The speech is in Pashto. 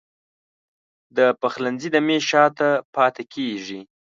د پخلنځي د میز شاته پاته کیږې